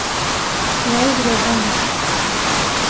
ناوی دلۆڤانە